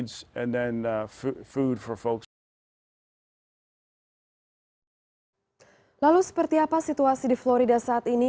lalu seperti apa situasi di florida saat ini